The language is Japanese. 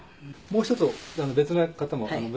もう一つ別の型も。